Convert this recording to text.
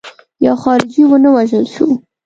یو خارجي ونه وژل شو.